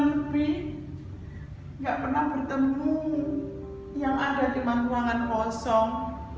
nggak pernah bertemu yang ada di mantuangan kosong